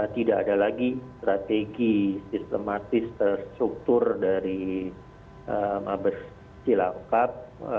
tidak ada lagi strategi sistematis terstruktur dari mabes cilangkap